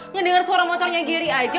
ngedenger suara motornya gary aja